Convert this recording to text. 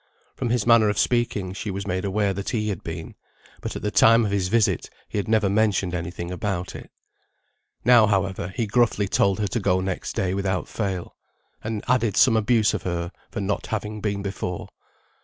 From his manner of speaking, she was made aware that he had been; but at the time of his visit he had never mentioned any thing about it. Now, however, he gruffly told her to go next day without fail, and added some abuse of her for not having been before.